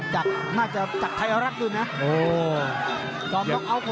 หนาวจะจากไทยรักดื้อ